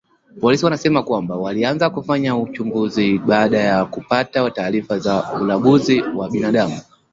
Polisi wamesema kwamba walianza kufanya uchunguzi baada ya kupata taarifa za ulanguzi wa binadamu